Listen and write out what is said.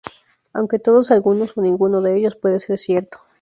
Aunque todos, algunos o ninguno de ellos puede ser cierto.